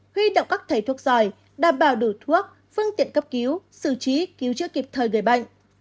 huy động các thầy thuốc giỏi đảm bảo đủ thuốc phương tiện cấp cứu xử trí cứu chữa kịp thời người bệnh